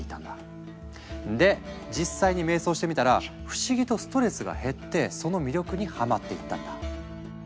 で実際に瞑想してみたら不思議とストレスが減ってその魅力にハマっていったんだ。